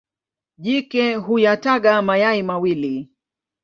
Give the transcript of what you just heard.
Jike huyataga mayai mawili.